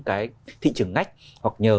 cái thị trường ngách hoặc nhờ